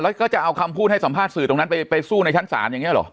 แล้วก็จะเอาคำพูดให้สัมภาษณ์สื่อตรงนั้นไปสู้ในชั้นศาลอย่างนี้หรอ